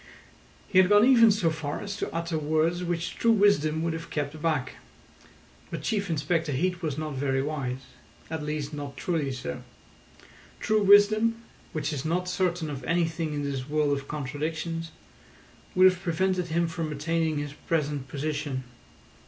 He had gone even so far as to utter words which true wisdom would have kept back. But Chief Inspector Heat was not very wise—at least not truly so. True wisdom, which is not certain of anything in this world of contradictions, would have prevented him from attaining his present position.